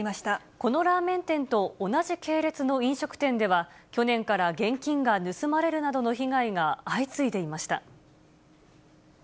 このラーメン店と同じ系列の飲食店では、去年から現金が盗まれるなどの被害が相次いでいました。